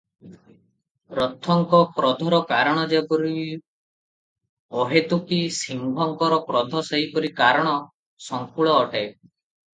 ରଥଙ୍କ କ୍ରୋଧର କାରଣ ଯେପରି ଅହେତୁକି ସିଂହଙ୍କର କ୍ରୋଧ ସେହିପରି କାରଣ-ସଂକୁଳ ଅଟେ ।